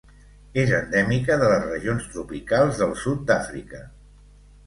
És endèmica de les regions tropicals del sud d'Àfrica.